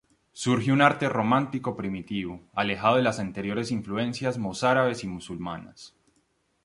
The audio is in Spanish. Surge un arte románico primitivo, alejado de las anteriores influencias mozárabes y musulmanas.